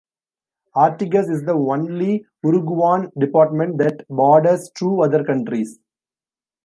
Artigas is the only Uruguayan department that borders two other countries.